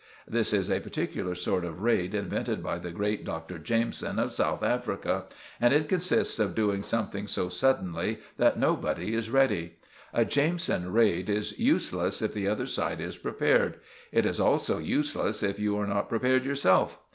This is a particular sort of raid invented by the great Dr. Jameson of South Africa, and it consists of doing something so suddenly that nobody is ready. A Jameson raid is useless if the other side is prepared; it is also useless if you are not prepared yourself.